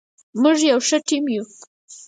موږ یو ښه ټیم یو.